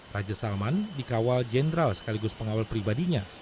raja salman dikawal jenderal sekaligus pengawal pribadinya